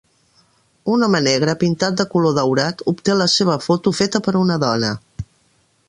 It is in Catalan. Un home negre pintat de color daurat obté la seva foto feta per una dona.